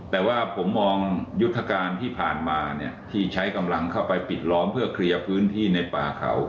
แต่ว่าผมมองยุทธการที่ผ่านมาเนี่ยที่ใช้กำลังเข้าไปปิดล้อมเพื่อเคลียร์พื้นที่ในป่าเขา